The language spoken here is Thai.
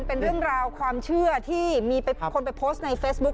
เป็นเรื่องราวความเชื่อที่มีคนไปโพสต์ในเฟซบุ๊ค